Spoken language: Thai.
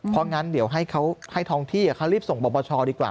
เพราะงั้นเดี๋ยวให้เขาให้ทองที่เขารีบส่งปปชดีกว่า